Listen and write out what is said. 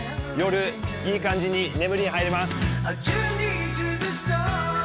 夜いい感じに眠りに入れます。